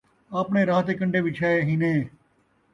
آپݨے راہ تے کنڈے وچھائے ہینے